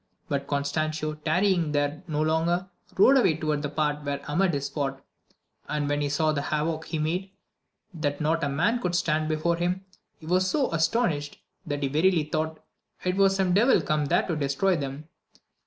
But Constancio tarrying there no longer, rode away toward the part where Amadis fought, and when he saw what havock he made, that not a man could stand before him, he was so astonished, that he verily thought it was some devil come there to destroy them.